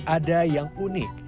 ada yang unik